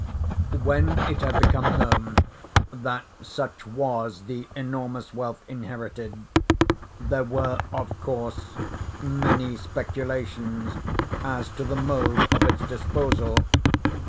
(*1) When it had become known that such was the enormous wealth inherited, there were, of course, many speculations as to the mode of its disposal.